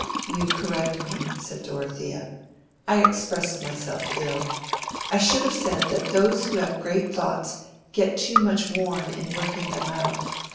"You correct me," said Dorothea. "I expressed myself ill. I should have said that those who have great thoughts get too much worn in working them out.